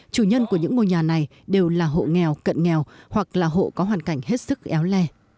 chủ nhân của những ngôi nhà này đều là hộ nghèo cận nghèo hoặc là hộ có hoàn cảnh hết sức éo le